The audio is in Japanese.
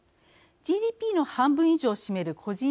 ＧＤＰの半分以上を占める個人